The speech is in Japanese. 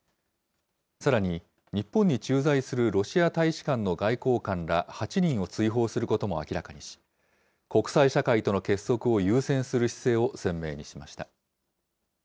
さらに日本に駐在するロシア大使館の外交官ら８人を追放することも明らかにし、国際社会との結束を優先する姿勢を鮮明にしました。